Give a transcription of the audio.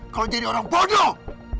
kalau jadi orang bodoh